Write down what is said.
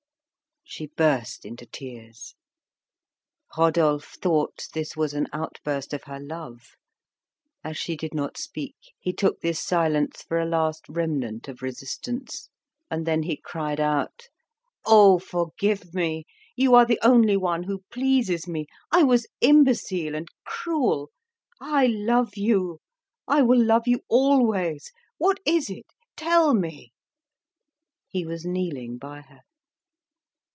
She burst into tears. Rodolphe thought this was an outburst of her love. As she did not speak, he took this silence for a last remnant of resistance, and then he cried out "Oh, forgive me! You are the only one who pleases me. I was imbecile and cruel. I love you. I will love you always. What is it. Tell me!" He was kneeling by her.